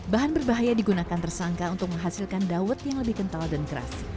bahan berbahaya digunakan tersangka untuk menghasilkan dawet yang lebih kental dan keras